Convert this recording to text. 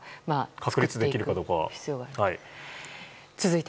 確立できるかどうか。